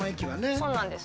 そうなんです。